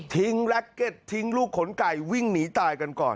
แล็กเก็ตทิ้งลูกขนไก่วิ่งหนีตายกันก่อน